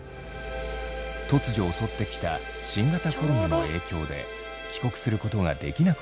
突如襲ってきた新型コロナの影響で帰国することができなくなってしまった。